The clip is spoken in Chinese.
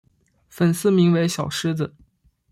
粉丝名为小狮子。